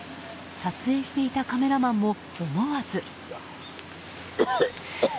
撮影していたカメラマンも思わず。